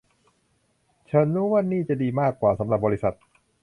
ฉันรู้ว่านี่จะดีมากกว่าสำหรับบริษัท